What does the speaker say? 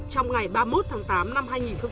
trong ngày ba mươi một tháng tám năm hai nghìn hai mươi